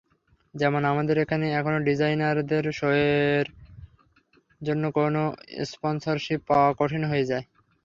যেমন—আমাদের এখানে এখনো ডিজাইনারদের শোয়ের জন্য কোনো স্পনসরশিপ পাওয়া কঠিন হয়ে যায়।